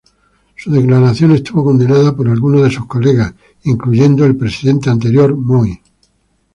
Su declaración estuvo condenada por algunos de sus colegas, incluyendo presidente anterior Moi.